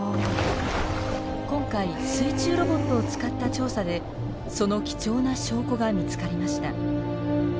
今回水中ロボットを使った調査でその貴重な証拠が見つかりました